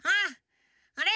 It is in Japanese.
あれ？